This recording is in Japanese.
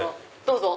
どうぞ。